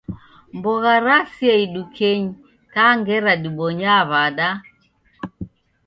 Mbogha rasia idukenyi ta ngera dibonyaa w'ada